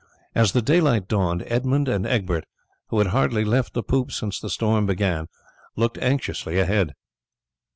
As the daylight dawned Edmund and Egbert, who had hardly left the poop since the storm began, looked anxiously ahead.